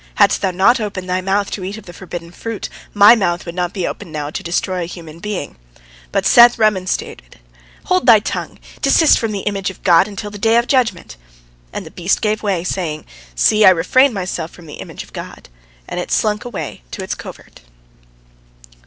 Hadst thou not opened thy mouth to eat of the forbidden fruit, my mouth would not be opened now to destroy a human being." But Seth remonstrated: "Hold thy tongue! Desist from the image of God until the day of judgment." And the beast gave way, saying, "See, I refrain myself from the image of God," and it slunk away to its covert.